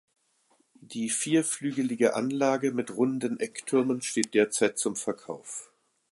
Die vierflügelige Anlage mit runden Ecktürmen steht derzeit zum Verkauf.